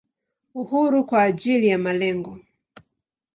Uhuru kwa ajili ya malengo.